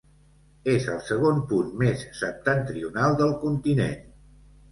És el segon punt més septentrional del continent.